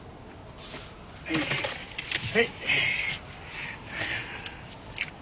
はい。